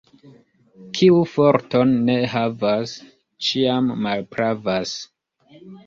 Kiu forton ne havas, ĉiam malpravas.